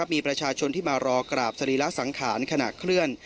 มีประชาชนที่มารอกราบสรีระสังขารขณะเคลื่อน